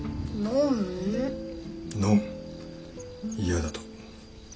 嫌だと。